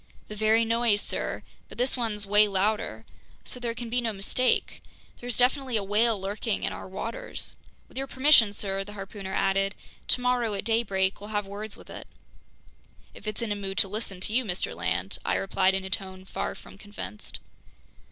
"The very noise, sir, but this one's way louder. So there can be no mistake. There's definitely a whale lurking in our waters. With your permission, sir," the harpooner added, "tomorrow at daybreak we'll have words with it." "If it's in a mood to listen to you, Mr. Land," I replied in a tone far from convinced.